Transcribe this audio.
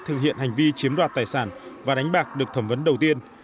thực hiện hành vi chiếm đoạt tài sản và đánh bạc được thẩm vấn đầu tiên